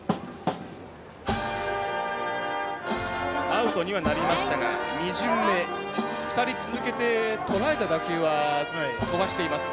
アウトにはなりましたが２巡目、２人続けてとらえた打球は飛ばしています。